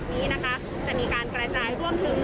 เราที่สาธาราชีวิตของเราก็ยังขอสิ่งบรรยากาศที่อยู่